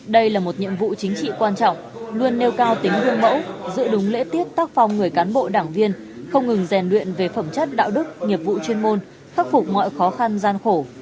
đây là một nhiệm vụ chính trị quan trọng luôn nêu cao tính gương mẫu giữ đúng lễ tiết tác phong người cán bộ đảng viên không ngừng rèn luyện về phẩm chất đạo đức nghiệp vụ chuyên môn khắc phục mọi khó khăn gian khổ